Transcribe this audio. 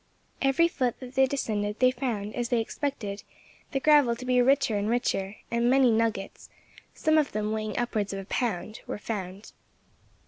Every foot that they descended they found, as they expected, the gravel to be richer and richer; and many nuggets, some of them weighing upwards of a pound, were found.